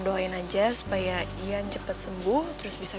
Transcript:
tapi sayangnya dia udah susah susah kerja